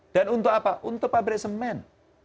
dan untuk apa untuk pabrik semen